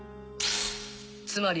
つまり。